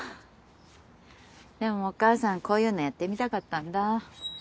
でもお母さんこういうのやってみたかったんだ。